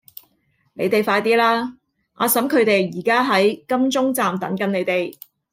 你哋快啲啦!阿嬸佢哋而家喺金鐘站等緊你哋